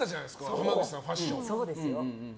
濱口さん、ファッションに。